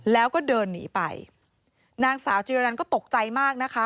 แล้วก็เดินหนีไปนางสาวจิรันก็ตกใจมากนะคะ